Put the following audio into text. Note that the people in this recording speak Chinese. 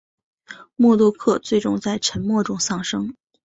默多克最终在沉没中丧生。